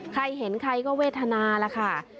ใครเห็นใครก็เวทนาล่ะค่ะ